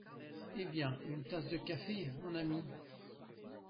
Eh bien, une tasse de café, mon ami?